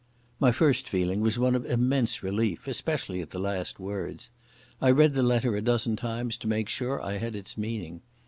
My first feeling was one of immense relief, especially at the last words. I read the letter a dozen times to make sure I had its meaning.